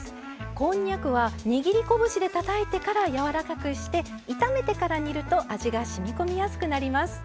こんにゃくは握り拳でたたいてから柔らかくして炒めてから煮ると味がしみ込みやすくなります。